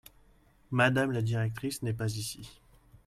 Madame la directrice n'est pas ici.